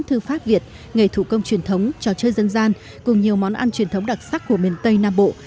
thư pháp việt nghề thủ công truyền thống trò chơi dân gian cùng nhiều món ăn truyền thống đặc sắc của miền tây nam bộ